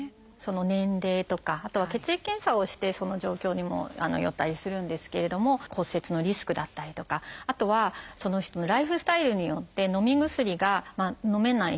年齢とかあとは血液検査をしてその状況にもよったりするんですけれども骨折のリスクだったりとかあとはその人のライフスタイルによってのみ薬がのめない人。